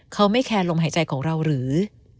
เขาไม่แคร์ลมหายใจของเราหรือ